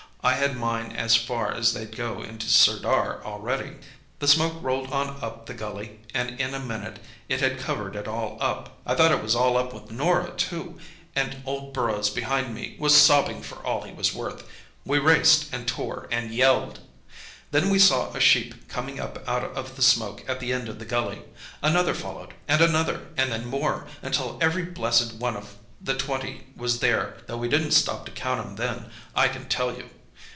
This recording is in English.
I had mine as far as they'd go in Sirdar already! "The smoke rolled on up the gully and in a minute it had covered it all up. I thought it was all up with Norah, too, and old Burrows behind me was sobbing for all he was worth. We raced and tore and yelled! "Then we saw a sheep coming up out of the smoke at the end of the gully. Another followed, and another, and then more, until every blessed one of the twenty was there (though we didn't stop to count 'em then, I can tell you!)